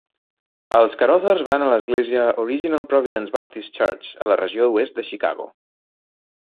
Els Carothers van a l"església Original Providence Baptist Church a la regió oest de Chicago.